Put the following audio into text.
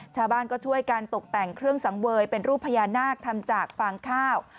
ชาวบ้านก็ช่วยกันตกแต่งเครื่องสังเวยเป็นรูปพญานาคทำจากฟางข้าว